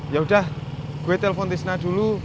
yaudah gue telepon tisna dulu